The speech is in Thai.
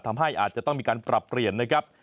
ทำให้อาจจะต้องมีการกลับเปลี่ยนนะครับ